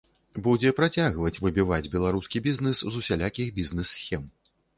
Будзе працягваць выбіваць беларускі бізнэс з усялякіх бізнэс-схем.